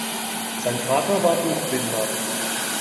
Sein Vater war Buchbinder.